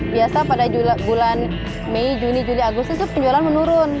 biasa pada bulan mei juni juli agustus itu penjualan menurun